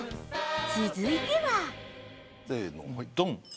続いてはせのはいドン！